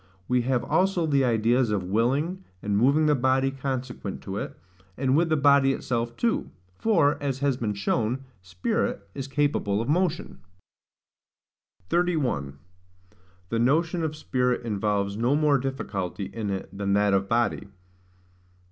We have also the ideas of willing, and moving the body consequent to it, and with the body itself too; for, as has been shown, spirit is capable of motion. 31. The Notion of Spirit involves no more Difficulty in it than that of Body.